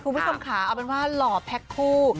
คุณผู้ชมค่ะเอาเป็นว่าหล่อแพ็คคู่